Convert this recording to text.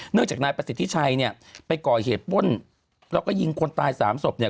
จากนายประสิทธิชัยเนี่ยไปก่อเหตุป้นแล้วก็ยิงคนตายสามศพเนี่ย